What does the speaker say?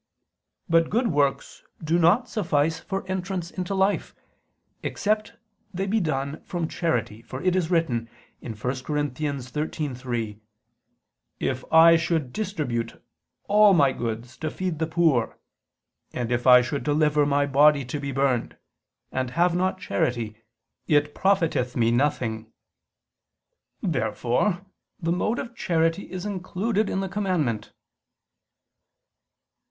But good works do not suffice for entrance into life, except they be done from charity: for it is written (1 Cor. 13:3): "If I should distribute all my goods to feed the poor, and if I should deliver my body to be burned, and have not charity, it profiteth me nothing." Therefore the mode of charity is included in the commandment.